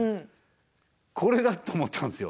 これだ！と思ったんですよ。